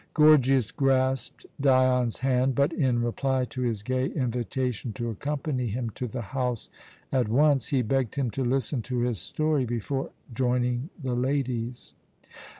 Gorgias grasped Dion's hand but, in reply to his gay invitation to accompany him to the house at once, he begged him to listen to his story before joining the ladies.